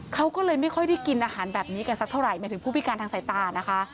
เขาก็เลยไม่ค่อยได้กินอาหารแบบนี้กันสักเท่าไหหมายถึงผู้พิการทางสายตานะคะ